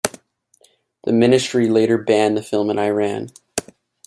The Ministry later banned the film in Iran.